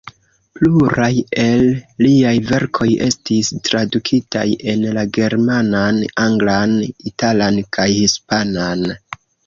Pluraj el liaj verkoj estis tradukitaj en la germanan, anglan, italan kaj hispanan.